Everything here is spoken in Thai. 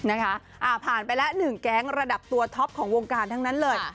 นะคะผ่านไปแล้ว๑แก๊งระดับตัวท็อปของวงการทั้งนั้นเลย